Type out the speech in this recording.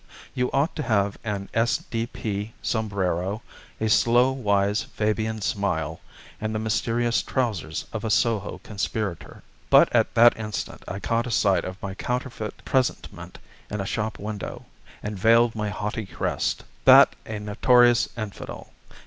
You ought to have an S.D.P. sombrero, a slow wise Fabian smile, and the mysterious trousers of a Soho conspirator." But at the instant I caught a sight of my counterfeit presentment in a shop window, and veiled my haughty crest. That a notorious Infidel!